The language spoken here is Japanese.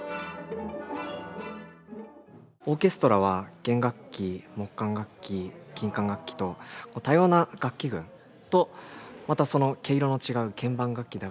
オーケストラは弦楽器木管楽器金管楽器と多様な楽器群とまたその毛色の違う鍵盤楽器打